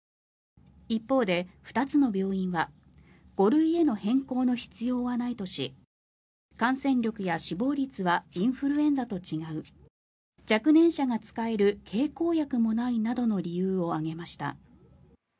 一方で２つの病院は５類への変更の必要はないとし感染力や死亡率はインフルエンザと違う若年者が使える経口薬もないなどの理由を挙げました。